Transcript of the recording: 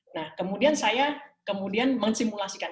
nah kemudian saya mensimulasikan